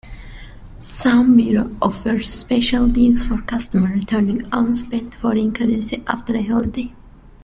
Some bureaux offer special deals for customers returning unspent foreign currency after a holiday.